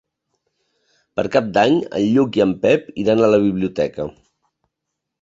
Per Cap d'Any en Lluc i en Pep iran a la biblioteca.